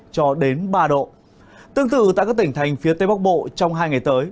cho đến ba độ tương tự tại các tỉnh thành phía tây bắc bộ trong hai ngày tới